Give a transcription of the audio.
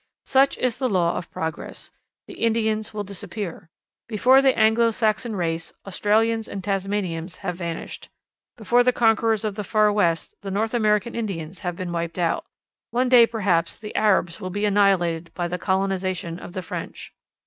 Such is the law of progress. The Indians will disappear. Before the Anglo Saxon race Australians and Tasmanians have vanished. Before the conquerors of the Far West the North American Indians have been wiped out. One day perhaps the Arabs will be annihilated by the colonization of the French.